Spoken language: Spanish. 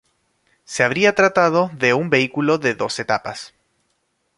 Se habría tratado de un vehículo de dos etapas.